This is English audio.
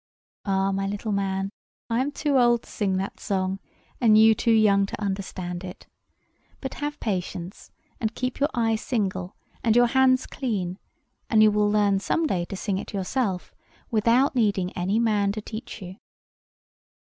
Ah, my little man, I am too old to sing that song, and you too young to understand it. But have patience, and keep your eye single, and your hands clean, and you will learn some day to sing it yourself, without needing any man to teach you.